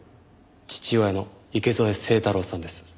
父親の池添清太郎さんです。